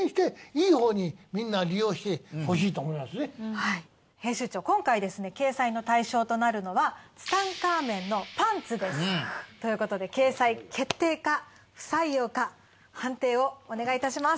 はい編集長今回ですね掲載の対象となるのは。ということで掲載決定か不採用か判定をお願いいたします。